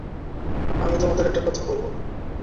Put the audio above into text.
আমি তোমাদের একটি কথা বলব।